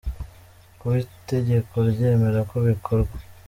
kuba itegeko ryemera ko bikorwa